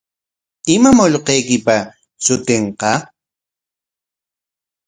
¿Imam allquykipa shutinqa?